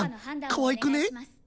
かわいくね？